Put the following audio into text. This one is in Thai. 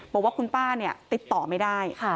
บอกว่าคุณป้าติดต่อไม่ได้